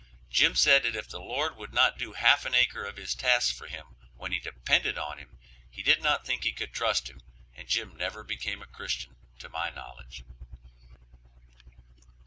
Jim said that if the Lord would not do half an acre of his task for him when he depended on him, he did not think he could trust him, and Jim never became a Christian to my knowledge.